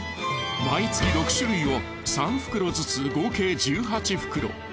毎月６種類を３袋ずつ合計１８袋。